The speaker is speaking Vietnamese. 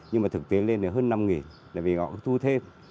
nhưng mà thực tế lên là hơn năm nghìn là vì họ thu thêm